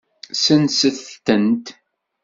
Senset-tent.